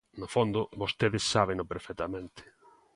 No fondo vostedes sábeno perfectamente.